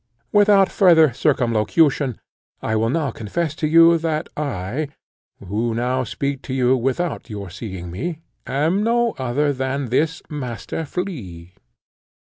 Without farther circumlocution, I will now confess to you that I, who now speak to you without your seeing me, am no other than this Master Flea.